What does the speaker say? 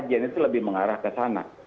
kajian itu lebih mengarah ke sana